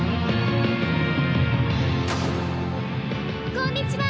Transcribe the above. ・こんにちは！